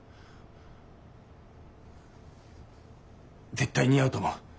絶対似合うと思う。